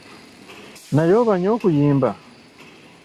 Naye obanyi okuyimba?